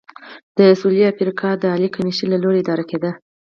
د سوېلي افریقا د عالي کمېشۍ له لوري اداره کېده.